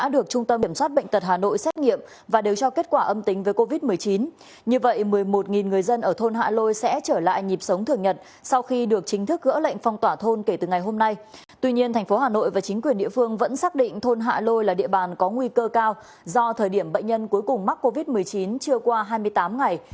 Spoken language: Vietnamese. do thời điểm bệnh nhân cuối cùng mắc covid một mươi chín chưa qua hai mươi tám ngày